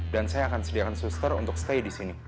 dan saya akan sediakan suster untuk stay disini